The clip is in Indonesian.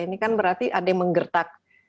ini kan berarti ada yang menggertak